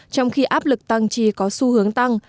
trong khi áp lực tăng trì có xu hướng tăng